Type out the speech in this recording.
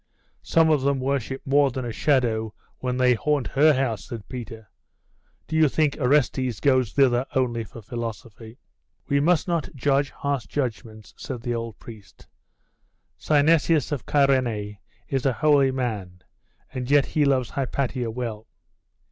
'Some of them worship more than a shadow, when they haunt her house,' said Peter. 'Do you think Orestes goes thither only for philosophy?' 'We must not judge harsh judgments,' said the old priest; 'Synesius of Cyrene is a holy man, and yet he loves Hypatia well.